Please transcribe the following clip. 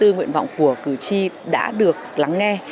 nguyện vọng của cử tri đã được lắng nghe